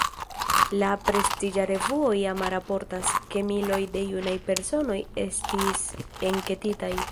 La prestiĝa revuo Jama raportas, ke miloj da junaj personoj estis enketitaj.